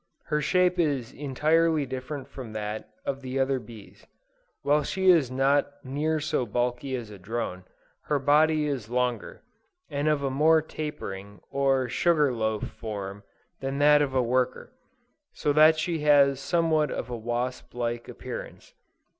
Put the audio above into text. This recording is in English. Her shape is entirely different from that of the other bees. While she is not near so bulky as a drone, her body is longer, and of a more tapering, or sugar loaf form than that of a worker, so that she has somewhat of a wasp like appearance.